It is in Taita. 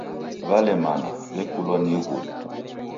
W'alemana w'ekulwa ni ighuri.